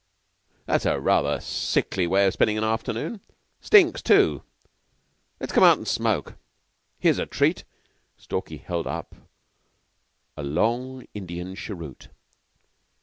"That's rather a sickly way of spending an afternoon. Stinks too. Let's come out an' smoke. Here's a treat." Stalky held up a long Indian cheroot.